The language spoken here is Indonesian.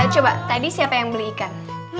coba tadi siapa yang beli ikan